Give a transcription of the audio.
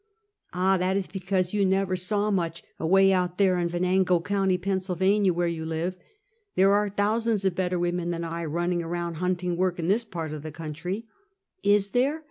"" Ah, that is because you never saw much, away out there in Yenango county, Pennsylvania, where j ou live. There are thousands of better women than I, running around hunting work, in this part of the coun try." "Is there?"